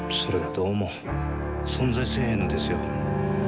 存在せえへんのですよ。